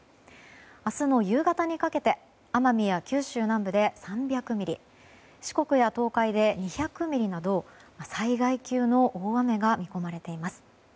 明日の夕方にかけて奄美や九州南部で３００ミリ四国や東海で２００ミリなど災害級の大雨が見込まれています。